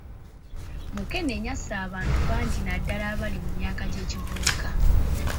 Mukenenya asse abantu bangi naddala abali mu myaka gy’ekivubuka.